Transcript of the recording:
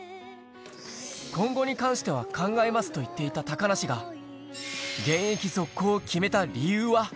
今後に関しては考えますと言っていた高梨が、現役続行を決めた理由は。